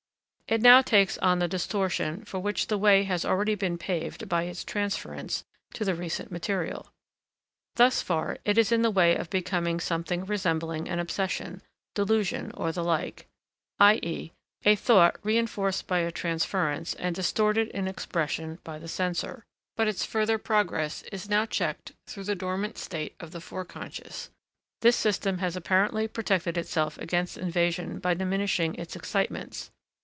It now takes on the distortion for which the way has already been paved by its transference to the recent material. Thus far it is in the way of becoming something resembling an obsession, delusion, or the like, i.e. a thought reinforced by a transference and distorted in expression by the censor. But its further progress is now checked through the dormant state of the foreconscious; this system has apparently protected itself against invasion by diminishing its excitements.